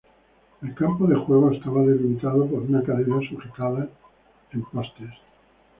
El campo de juego estaba delimitado por una cadena sujetada en postes.